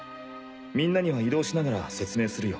みんなには移動しながら説明するよ。